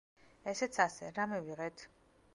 ესეც ასე, რა მივიღეთ?